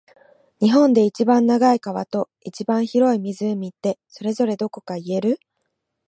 日本で一番長い川と、一番広い湖って、それぞれどこか言える？